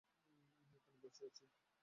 আমি এখনো বেঁচে আছি।